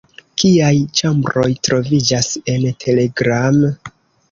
Kiaj ĉambroj troviĝas en Telegram?